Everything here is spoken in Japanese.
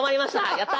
やった！